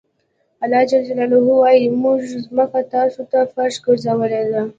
الله ج وایي موږ ځمکه تاسو ته فرش ګرځولې ده.